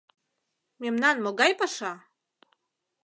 — Мемнан могай паша?